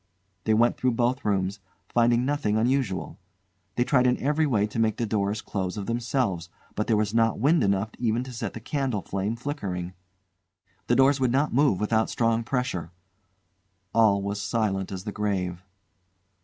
They went through both rooms, finding nothing unusual. They tried in every way to make the doors close of themselves, but there was not wind enough even to set the candle flame flickering. The doors would not move without strong pressure. All was silent as the grave.